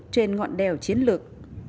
trên ngọn đèo chiến lược